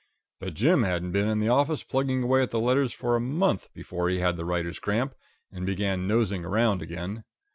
But Jim hadn't been in the office plugging away at the letters for a month before he had the writer's cramp, and began nosing around again.